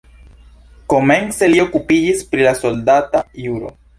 Komence li okupiĝis pri la soldata juro.